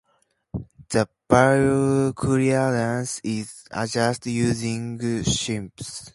The valve clearance is adjusted using shims.